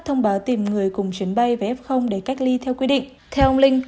thông báo tìm người cùng chuyến bay về f để cách ly theo quy định theo ông linh